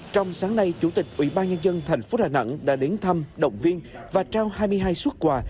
trong sáng nay chủ tịch ủy ban nhân dân thành phố đà nẵng đã đến thăm động viên và trao hai mươi hai xuất quà